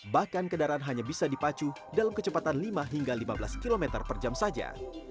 bahkan kendaraan hanya bisa dipacu dalam kecepatan lima hingga lima belas km per jam saja